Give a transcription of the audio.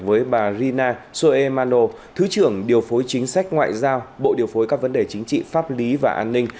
với bà rina soe mano thứ trưởng điều phối chính sách ngoại giao bộ điều phối các vấn đề chính trị pháp lý và an ninh